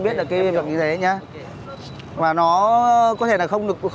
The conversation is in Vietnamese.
cái này của khách ạ